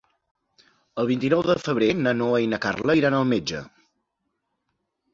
El vint-i-nou de febrer na Noa i na Carla iran al metge.